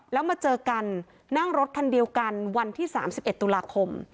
แล้วมาเจอกันนั่งรถคันเดียวกันวันที่๓๑ตุลาคม